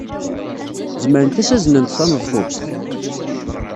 Zemrent ad as-aznent taneḍfust?